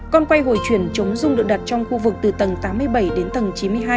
con quay hồi chuyển chống dung được đặt trong khu vực từ tầng tám mươi bảy đến tầng chín mươi hai